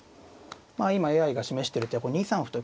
まあ今ＡＩが示してる手は２三歩と。